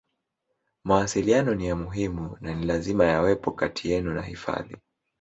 Mawasiliano ni ya muhimu na ni lazima yawepo kati yenu na hifadhi